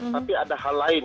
tapi ada hal lain